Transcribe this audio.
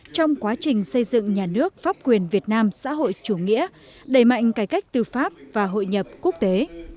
trong quá trình xây dựng nhà nước pháp quyền việt nam xã hội chủ nghĩa đẩy mạnh cải cách tư pháp và hội nhập quốc tế